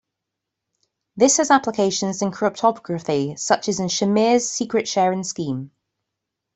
This has applications in cryptography, such as in Shamir's Secret Sharing scheme.